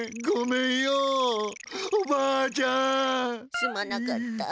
すまなかった。